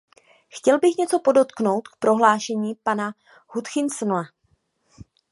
Chtěl bych něco podotknout k prohlášení pana Hutchinsona.